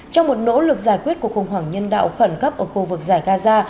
trong một nỗ lực giải quyết cuộc khủng hoảng nhân đạo khẩn cấp ở khu vực giải gaza